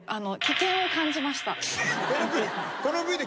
危険を感じました。